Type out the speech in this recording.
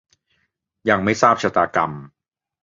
ยังไม่ทราบชะตากรรม